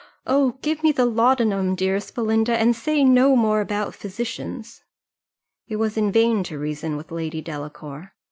Oh! give me the laudanum, dearest Belinda, and say no more about physicians." It was in vain to reason with Lady Delacour.